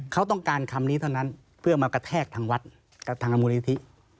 เขาต้องการคำนี้เท่านั้นเพื่อมากระแทกทางวัดกับทางมูลนิธิ